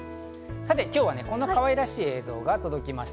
今日はこんなかわいらしい映像が届きました。